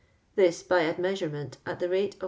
This, by admeasurement, at tho rate of 8.